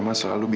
gak ada apai